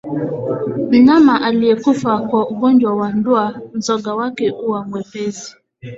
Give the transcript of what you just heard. Mnyama aliyekufa kwa ugonjwa wa ndwa mzoga wake huwa mwepesi